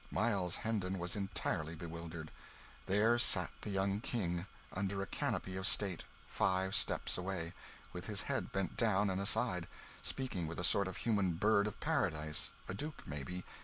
Miles Hendon was entirely bewildered. There sat the young King, under a canopy of state, five steps away, with his head bent down and aside, speaking with a sort of human bird of paradise a duke, maybe.